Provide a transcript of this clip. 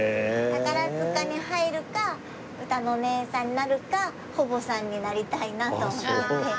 宝塚に入るかうたのおねえさんになるか保母さんになりたいなと思ってて。